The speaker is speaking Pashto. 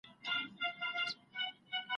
د حقیقت موندل د څېړونکي اصلي دنده ده.